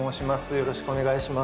よろしくお願いします。